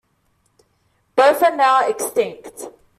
Both are now extinct.